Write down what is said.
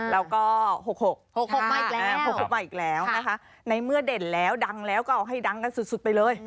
แล้วก็๖๖๖๖มาอีกแล้ว๖๖มาอีกแล้วนะคะในเมื่อเด่นแล้วดังแล้วก็เอาให้ดังกันสุดไปเลย